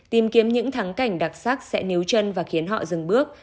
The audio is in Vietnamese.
tìm kiếm những thắng cảnh đặc sắc sẽ níu chân và khiến họ dừng bước